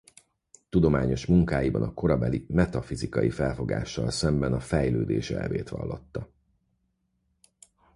Tudományos munkáiban a korabeli metafizikai felfogással szemben a fejlődés elvét vallotta.